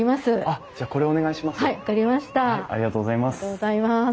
ありがとうございます。